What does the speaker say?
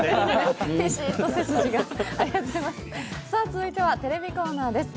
続いてはテレビコーナーです。